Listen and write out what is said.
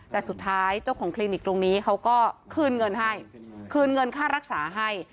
แต่สุดท้ายเจ้าของคลินิกตรงนี้เขาก็คืนเงินให้คืนเงินค่ารักษาให้